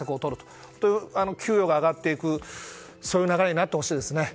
そして給与が上がっていくという流れになってほしいですね。